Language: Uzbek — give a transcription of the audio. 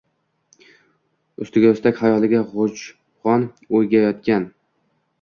Ustiga ustak, xayolida g’ujg’on o’ynayotgan.